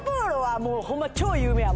もうホンマ。